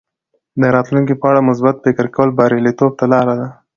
د راتلونکي په اړه مثبت فکر کول بریالیتوب ته لاره ده.